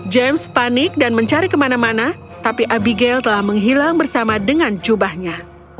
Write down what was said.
james panik dan mencari kemana mana tapi abigail telah menghilang bersama dengan jubahnya